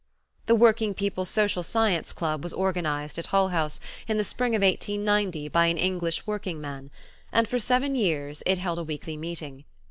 "The Working People's Social Science Club" was organized at Hull House in the spring of 1890 by an English workingman, and for seven years it held a weekly meeting.